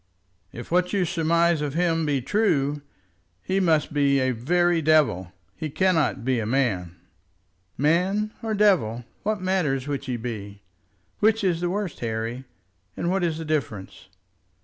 "If what you surmise of him be true, he must be a very devil. He cannot be a man " "Man or devil, what matters which he be? Which is the worst, Harry, and what is the difference?